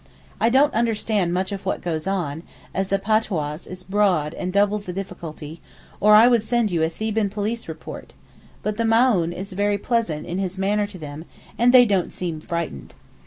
I don't understand much of what goes on, as the patois is broad and doubles the difficulty, or I would send you a Theban police report; but the Maōhn is very pleasant in his manner to them, and they don't seem frightened.